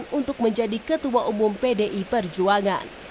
untuk menjadi ketua umum pdi perjuangan